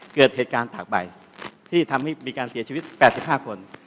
เกิดเหตุการณ์ถักใบที่ทำให้มีการเสียชีวิต๘๕คน